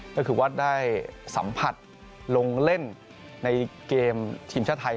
ก็คือว่าได้สัมผัสลงเล่นในเกมทีมชาติไทย